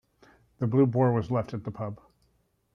The blue boar was left at the pub.